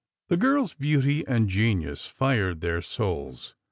The girl's beauty and genius fired their souls.